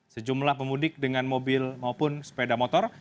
sejumlah pemudik dengan mobil maupun sepeda motor